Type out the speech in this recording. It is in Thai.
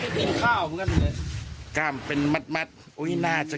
ดูข่าวทุกวันนี้